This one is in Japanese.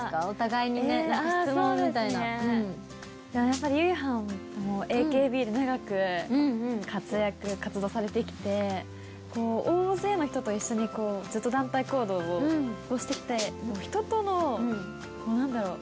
やっぱりゆいはんもＡＫＢで長く活躍活動されてきて大勢の人と一緒にずっと団体行動をしてきて人とのなんだろう？